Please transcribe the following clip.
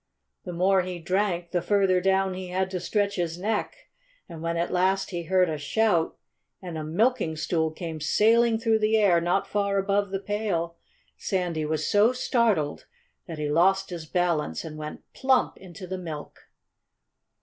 The more he drank, the further down he had to stretch his neck. And when at last he heard a shout, and a milking stool came sailing through the air not far above the pail, Sandy was so startled that he lost his balance and went plump! into the milk.